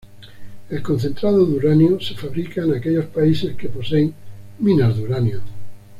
El concentrado de uranio se fabrica en aquellos países que poseen minas de uranio.